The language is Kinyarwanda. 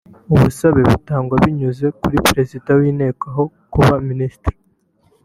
ubusabe butangwa binyuze kuri Perezida w’Inteko aho kuba Minisitiri